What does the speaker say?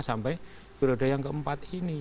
sampai periode yang keempat ini